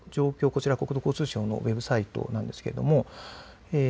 こちら国土交通省のウェブサイトなんですけれども。